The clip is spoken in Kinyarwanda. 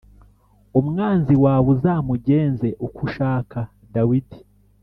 umwanzi wawe uzamugenze uko ushaka Dawidi